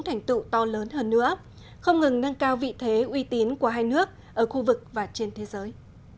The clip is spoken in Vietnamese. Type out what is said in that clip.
thành tựu to lớn hơn nữa không ngừng nâng cao vị thế uy tín của hai nước ở khu vực và trên thế giới